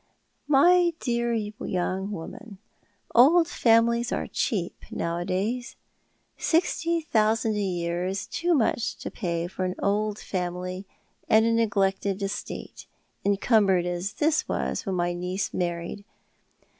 " My dear young woman, old families are cheap nowadays. Sixty thousand a year is too much to pay for an old family, and a neglected estate, encumbered as this was when my niece married.